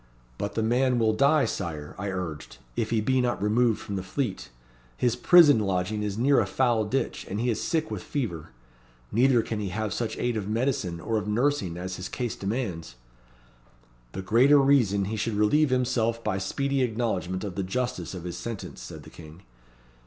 'But the man will die, Sire,' I urged, 'if he be not removed from the Fleet. His prison lodging is near a foul ditch, and he is sick with fever. Neither can he have such aid of medicine or of nursing as his case demands.' 'The greater reason he should relieve himself by speedy acknowledgment of the justice of his sentence,' said the King.